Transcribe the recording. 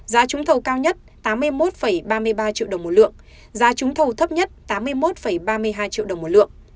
giá trúng thầu cao nhất tám mươi một ba mươi ba triệu đồng một lượng giá trúng thầu thấp nhất tám mươi một ba mươi hai triệu đồng một lượng